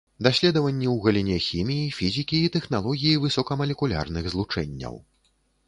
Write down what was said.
Даследаванні ў галіне хіміі, фізікі і тэхналогіі высокамалекулярных злучэнняў.